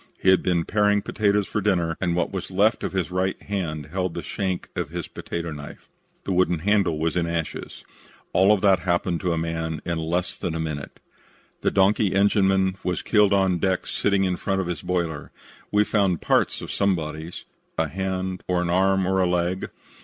He had been paring potatoes for dinner and what was left of his right hand held the shank of his potato knife. The wooden handle was in ashes. All that happened to a man in less than a minute. The donkey engineman was killed on deck sitting in front of his boiler. We found parts of some bodies a hand, or an arm or a leg.